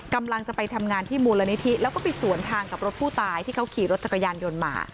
กำลังจะไปทำงานที่มูลนิธิแล้วก็ไปสวนทางกับรถผู้ตายที่เขาขี่รถจักรยานยนต์มา